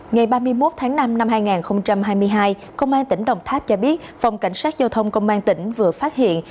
ngày ba mươi một tháng năm năm hai nghìn hai mươi hai công an tỉnh đồng tháp cho biết phòng cảnh sát giao thông công an tỉnh vừa phát hiện